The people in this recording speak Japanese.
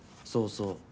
そうそう。